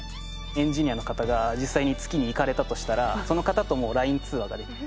エンジニアの方が実際に月に行かれたとしたらその方ともＬＩＮＥ通話ができる。